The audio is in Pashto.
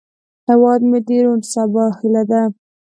هیواد مې د روڼ سبا هیله ده